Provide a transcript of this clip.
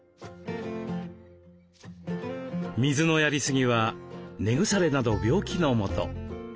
水のやりすぎは根腐れなど病気のもと。